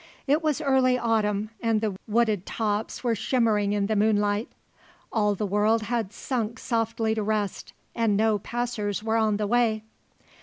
It was early autumn and the wooded tops were shimmering in the moonlight. All the world had sunk softly to rest and no passers were on the way.